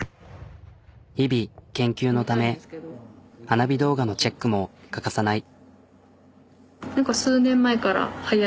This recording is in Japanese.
日々研究のため花火動画のチェックも欠かさない。